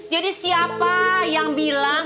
jadi siapa yang bilang